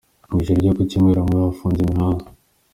Mu ijoro ryo ku Cyumweru bamwe bafunze imihanda.